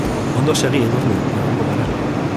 Ondo segi Edurne, egongo gara.